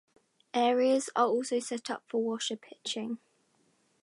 Areas are also set up for washer pitching.